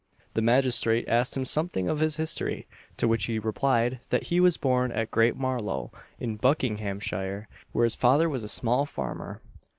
The magistrate asked him something of his history; to which he replied, that he was born at Great Marlow, in Buckinghamshire, where his father was a small farmer.